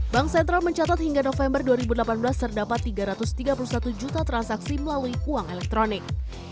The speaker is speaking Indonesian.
bank sentral mencatat hingga november dua ribu delapan belas terdapat tiga ratus tiga puluh satu juta transaksi melalui uang elektronik